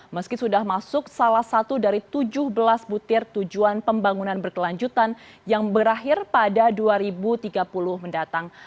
meski sudah masuk salah satu dari tujuh belas butir tujuan pembangunan berkelanjutan yang berakhir pada dua ribu tiga puluh mendatang